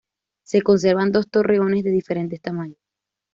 Se conservan dos torreones de diferentes tamaños.